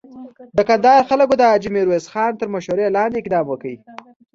د کندهار خلکو د حاجي میرویس خان تر مشري لاندې اقدام وکړ.